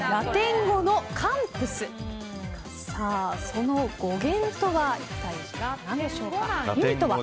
その語源とは一体何でしょうか。